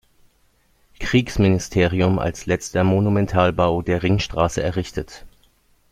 Kriegsministerium als letzter Monumentalbau der Ringstraße errichtet.